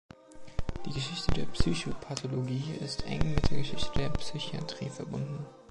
Die Geschichte der Psychopathologie ist eng mit der Geschichte der Psychiatrie verbunden.